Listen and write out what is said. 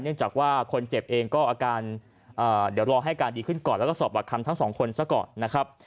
เนื่องจากว่าคนเจ็บเองก็อาการเดี๋ยวรอให้การดีขึ้นก่อนแล้วก็สอบปากคำทั้ง๒คนสักก่อน